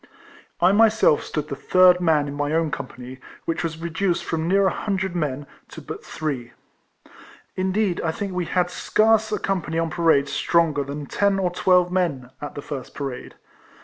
I myself stood the third man in my own company, which was reduced from near a hundred men, to but three. Indeed, I think 240 KECOLLECTIONS OF Ave had scarce a company on parade stronger than ten or twelve men, at the first parade.